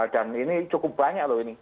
dan ini cukup banyak loh ini